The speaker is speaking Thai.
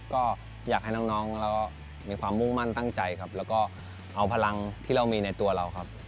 ก็อยากให้น้องเรามีความมุ่งมั่นตั้งใจครับแล้วก็เอาพลังที่เรามีในตัวเราครับ